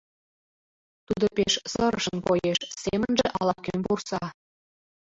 Тудо пеш сырышын коеш, семынже ала-кӧм вурса.